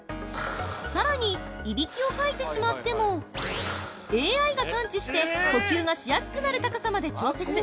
さらにいびきをかいてしまってもＡＩが感知して呼吸がしやすくなる高さまで調節。